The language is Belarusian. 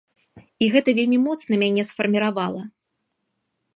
І гэта вельмі моцна мяне сфарміравала.